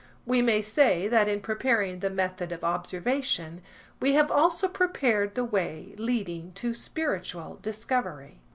We may say that in preparing the method of observation, we have also prepared the way leading to spiritual discovery.